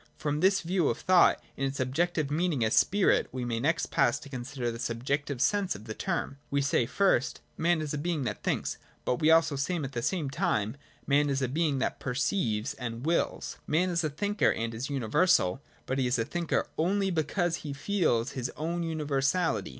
From this view of thought, in its objective meaning as voOf, we may next pass to consider the subjective.sense of the term. We say first, Man is a being that thinks ; but we also say at the' same time, Man is a being that perceives and wills. Man is a thinker, and is universal : but he is a thinker only because he feels his own universality.